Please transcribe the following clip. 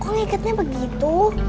pa kok ngikatnya begitu